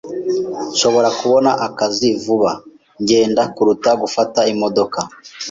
Nshobora kubona akazi vuba ngenda kuruta gufata imodoka.